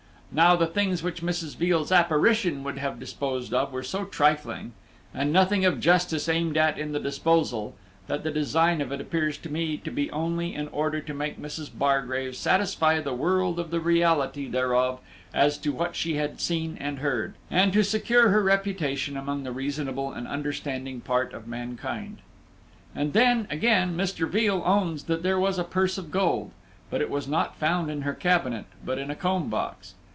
Now the things which Mrs. Veal's apparition would have disposed of were so trifling, and nothing of justice aimed at in the disposal, that the design of it appears to me to be only in order to make Mrs. Bargrave satisfy the world of the reality thereof as to what she had seen and heard, and to secure her reputation among the reasonable and understanding part of mankind. And then, again, Mr. Veal owns that there was a purse of gold; but it was not found in her cabinet, but in a comb box.